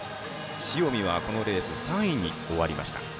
塩見はこのレース３位に終わりました。